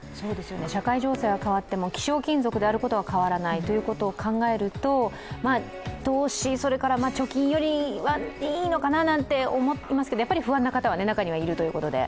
社会情勢が変わっても希少金属であることは変わらないということを考えると投資、それから貯金よりはいいのかなと思いますけど、やっぱり不安な方は中にはいるということで。